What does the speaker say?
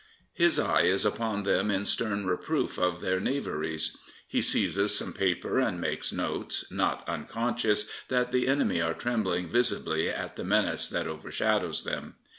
His eye is upon them in stern reproof of their knaveries. He seizes some paper and makes notes, not unconscious that the enemy are trembling visibly at the menace that overshadows them.